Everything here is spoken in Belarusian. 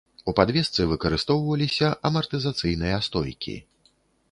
У падвесцы выкарыстоўваліся амартызацыйныя стойкі.